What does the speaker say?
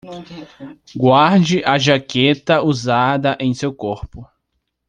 Guarde a jaqueta usada em seu corpo